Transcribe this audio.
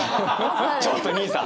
ちょっとにいさん。